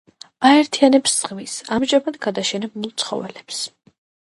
აერთიანებს ზღვის ამჟამად გადაშენებულ ცხოველებს.